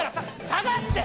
下がって！